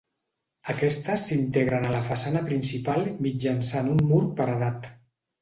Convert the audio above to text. Aquestes s'integren a la façana principal mitjançant un mur paredat.